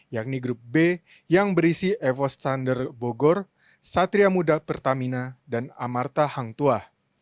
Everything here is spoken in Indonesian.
yakni grup b yang berisi evo standar bogor satria muda pertamina dan amarta hangtua